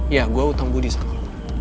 iya gue utang budi sama lo